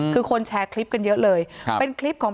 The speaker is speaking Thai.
คือคนแชร์คลิปกันเยอะเลยครับเป็นคลิปของ